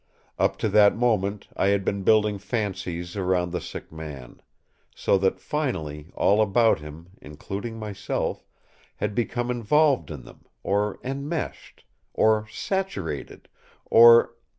Up to that moment I had been building fancies around the sick man; so that finally all about him, including myself, had become involved in them, or enmeshed, or saturated, or....